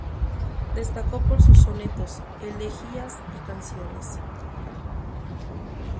Destacó por sus sonetos, elegías y canciones.